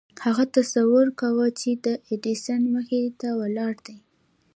هغه تصور کاوه چې د ايډېسن مخې ته ولاړ دی.